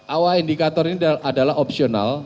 awa indikator ini adalah opsional